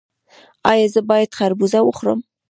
ایا زه باید خربوزه وخورم؟